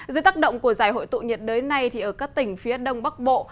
dưới tác động của giải hội tụ nhiệt đới này thì ở các tỉnh phía đông bắc bộ